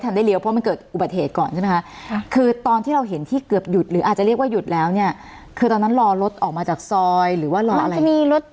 ซึ่งกำลังมองเห็นอยู่ข้างหน้านู้น